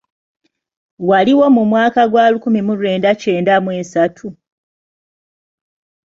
Waliwomu mwaka gwa lukumi mu lwenda kyenda mu esatu?